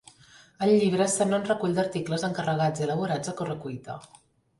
El llibre sembla un recull d'articles encarregats i elaborats a corre cuita.